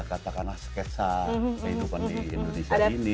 katakanlah sketsa kehidupan di indonesia ini